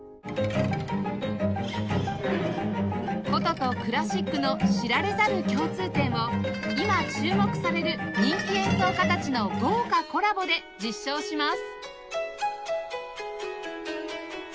箏とクラシックの知られざる共通点を今注目される人気演奏家たちの豪華コラボで実証します